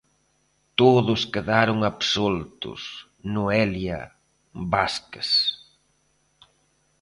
Todos quedaron absoltos, Noelia Vázquez.